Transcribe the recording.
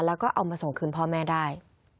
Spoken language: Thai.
แล้วก็เอามาส่งคืนพ่อแม่ได้